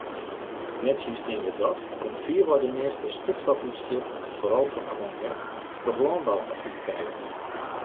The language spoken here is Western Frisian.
Nettsjinsteande dat komt fierwei de measte stikstofútsjit, foaral fan ammoniak, troch lânbou-aktiviteiten.